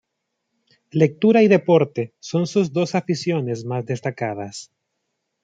Lectura y deporte son sus dos aficiones más destacadas.